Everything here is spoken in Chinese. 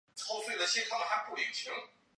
最好是给我